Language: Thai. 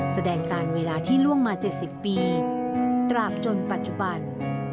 แสดงการเวลาที่ล่วงมา๗๐ปีตราบจนปัจจุบัน